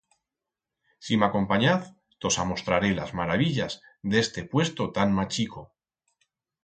Si m'acompanyaz tos amostraré las marabillas d'este puesto tan machico.